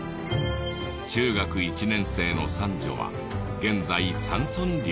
中学１年生の三女は現在山村留学中。